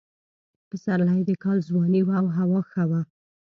پسرلی د کال ځواني وه او هوا ښه وه.